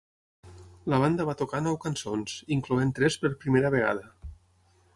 La banda va tocar nou cançons, incloent tres per primera vegada.